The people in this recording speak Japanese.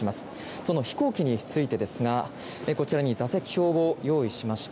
その飛行機についてですがこちらに座席表を用意しました。